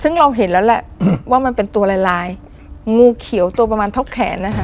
ซึ่งเราเห็นแล้วแหละว่ามันเป็นตัวลายลายงูเขียวตัวประมาณเท่าแขนนะคะ